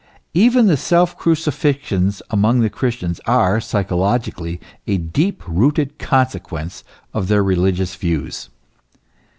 Even the self crucifixions among the Chris tians are, psychologically, a deep rooted consequence of their religious views.